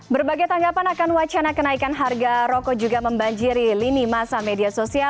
berbagai tanggapan akan wacana kenaikan harga rokok juga membanjiri lini masa media sosial